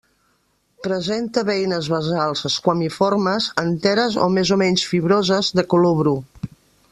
Presenta beines basals esquamiformes, enteres o més o menys fibroses, de color bru.